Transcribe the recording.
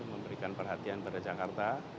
memberikan perhatian kepada jakarta